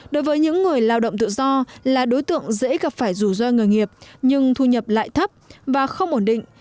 đối với những người lao động tự do là đối tượng dễ gặp phải rủ roi người nghiệp nhưng thu nhập lại thấp và không ổn định